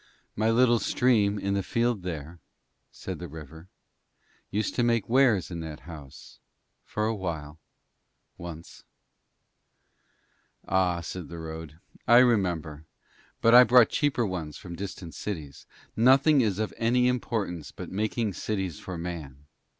'My little stream in the field there,' said the river, 'used to make wares in that house for awhile once.' 'Ah,' said the road, 'I remember, but I brought cheaper ones from distant cities. Nothing is of any importance but making cities for Man.'